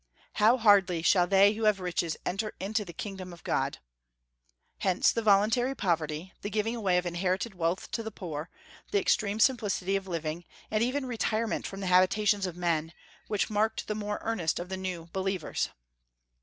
"How hardly shall they who have riches enter into the kingdom of God?" Hence the voluntary poverty, the giving away of inherited wealth to the poor, the extreme simplicity of living, and even retirement from the habitations of men, which marked the more earnest of the new believers.